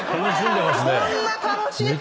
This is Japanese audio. こんな楽しいか！